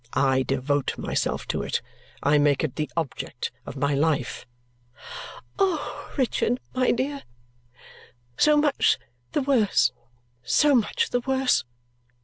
I devote myself to it. I make it the object of my life." "Oh, Richard, my dear, so much the worse, so much the worse!"